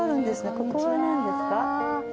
ここは何ですか？